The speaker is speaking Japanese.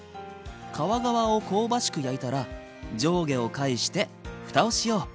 皮側を香ばしく焼いたら上下を返してふたをしよう。